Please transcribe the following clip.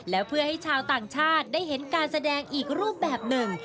และเพื่อให้ชาวต่างชาติได้เห็นการแสดงอีกรูปแบบหนึ่ง